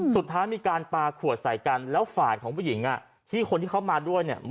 สุดท้ายมีการปาขวดใส่กันแล้วฝ่ายของผู้หญิงที่เขามาด้วย